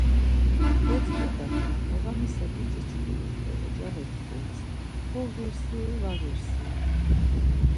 Botzǩedaten noğamisa biç̌i çkunis do ocaği çkunis koğirsi, var ğirsi, ya.